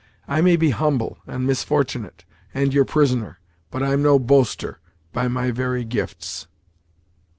I may be humble, and misfortunate, and your prisoner; but I'm no boaster, by my very gifts."